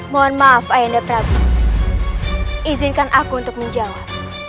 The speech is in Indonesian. mohon maaf ainer prabu izinkan aku untuk menjawab